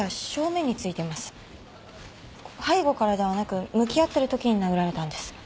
背後からではなく向き合ってるときに殴られたんです。